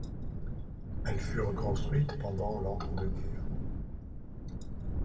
Elle fut reconstruite pendant l'entre-deux-guerres.